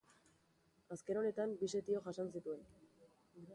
Azken honetan bi setio jasan zituen.